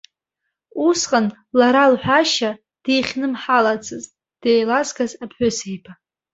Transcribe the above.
Усҟан, лара лҳәашьа, дихьнымҳалацызт деилазгаз аԥҳәысеиба.